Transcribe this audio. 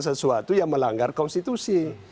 sesuatu yang melanggar konstitusi